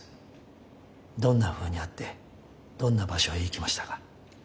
どんなふうに会ってどんな場所へ行きましたか？